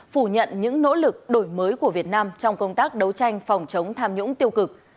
phủ nhận những nỗ lực đổi mới của việt nam trong công tác đấu tranh phòng chống tham nhũng tiêu cực